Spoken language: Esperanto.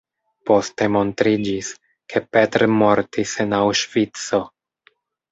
Poste montriĝis, ke Petr mortis en Aŭŝvico.